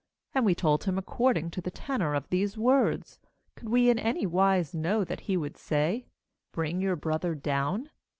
and we told him according to the tenor of these words; could we in any wise know that he would say: Bring your brother down?